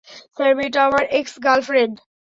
Sir, মেয়েটা আমার x-girlfriend.